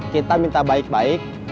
kita minta baik baik